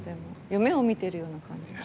夢を見ているような感じで。